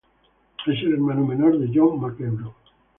Es el hermano menor de John McEnroe.